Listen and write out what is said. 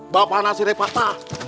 bapak nasi repatah